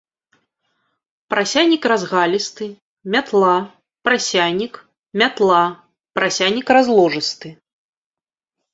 Прасянік разгалісты, мятла, прасянік, мятла, прасянік разложысты.